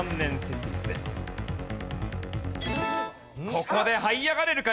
ここではい上がれるか？